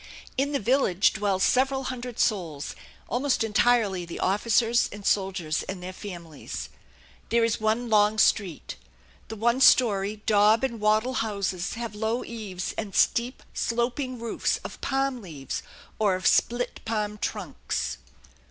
In the village dwell several hundred souls, almost entirely the officers and soldiers and their families. There is one long street. The one story, daub and wattle houses have low eaves and steep sloping roofs of palm leaves or of split palm trunks.